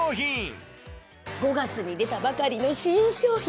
５月に出たばかりの新商品！